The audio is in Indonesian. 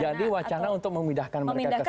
jadi wacana untuk memindahkan mereka ke sana